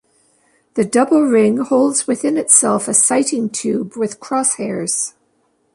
The double ring holds within itself a sighting tube with crosshairs.